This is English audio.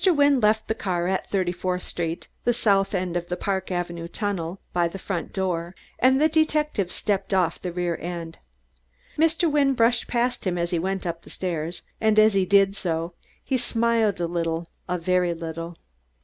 Wynne left the car at Thirty fourth Street, the south end of the Park Avenue tunnel, by the front door, and the detective stepped off the rear end. Mr. Wynne brushed past him as he went up the stairs, and as he did so he smiled a little a very little.